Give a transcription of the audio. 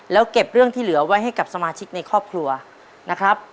แล้วเก็บเรื่องที่เหลือไว้ให้กับสมาชิกในครอบครัวนะครับ